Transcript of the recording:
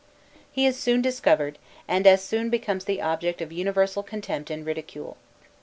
He is soon discovered, and as soon becomes the object of universal contempt and ridicule.